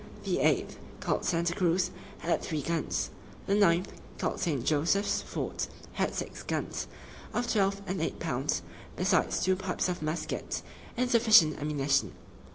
The eighth, called Santa Cruz, had three guns. The ninth, called St. Joseph's Fort, had six guns, of twelve and eight pounds, besides two pipes of muskets, and sufficient ammunition.